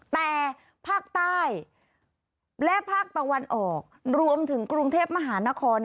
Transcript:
แต่ภาคใต้และภาคตะวันออกรวมถึงกรุงเทพมหานคร